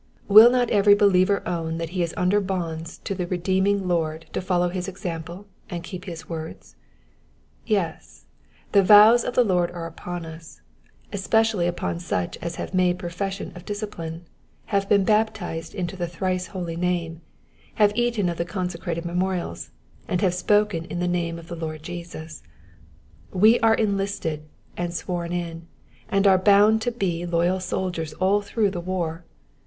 Will not every believer own that he is under bonds to the redeeming Lord to follow his example, and keep his words ? Yes, the vows of the Lord are upon us, especially upon such as have made profession of discipleship, have been baptized into the thrice holy name, have eaten of the consecrated memorials, and have spoken in the name of the Lord Jesus. We are en listed, and sworn in, and are bound to be loyal soldiers all through the war.